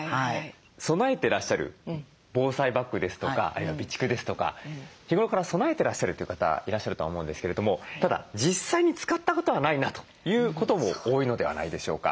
備えてらっしゃる防災バッグですとかあるいは備蓄ですとか日頃から備えてらっしゃるという方いらっしゃるとは思うんですけれどもただ実際に使ったことはないなということも多いのではないでしょうか。